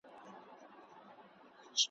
شکر کا ږم د سبحان کرم کرم دئ